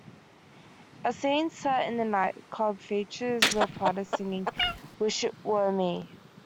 A scene set in a nightclub features The Platters singing "Wish It Were Me".